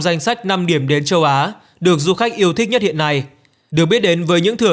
danh sách năm điểm đến châu á được du khách yêu thích nhất hiện nay được biết đến với những thửa